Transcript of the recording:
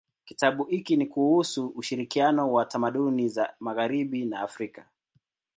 Kitabu hiki ni kuhusu ushirikiano wa tamaduni za magharibi na Afrika.